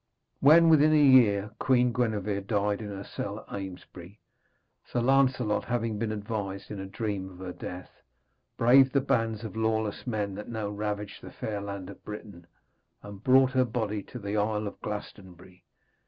When, within a year, Queen Gwenevere died in her cell at Amesbury, Sir Lancelot, having been advised in a dream of her death, braved the bands of lawless men that now ravaged the fair land of Britain, and brought her body to the isle of Glastonbury.